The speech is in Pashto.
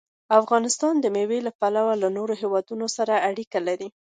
افغانستان د مېوې له پلوه له نورو هېوادونو سره اړیکې لري.